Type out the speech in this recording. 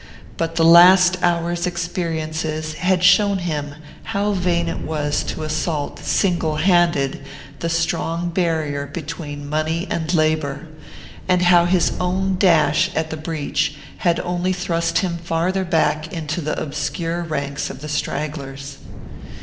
But the last hours' experiences had shown him how vain it was to assault single handed the strong barrier between money and labour, and how his own dash at the breach had only thrust him farther back into the obscure ranks of the stragglers.